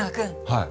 はい。